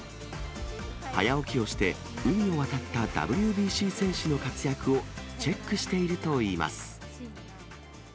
早起きをして、海を渡ったＷＢＣ戦士の活躍をチェックしているといいます。